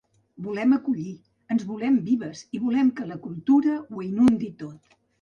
Volem acollir, ens volem vives, i volem que la cultura ho inundi tot.